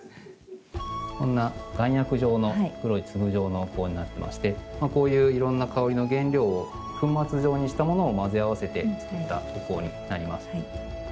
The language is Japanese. こんな丸薬状の黒い粒状のお香になってましてこういういろんな香りの原料を粉末状にしたものを混ぜ合わせて作ったお香になります。